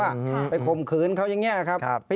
อ้าวไปคมขืนเค้ายังไงครับ